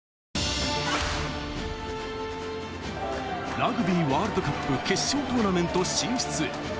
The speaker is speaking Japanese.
ラグビーワールドカップ、決勝トーナメント進出へ。